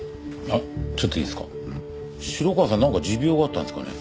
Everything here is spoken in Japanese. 城川さんなんか持病があったんですかね？